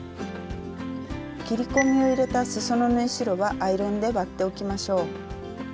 切り込みを入れたすその縫い代はアイロンで割っておきましょう。